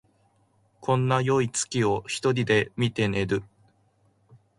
こんなよい月を一人で見て寝る